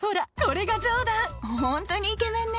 ホントにイケメンね。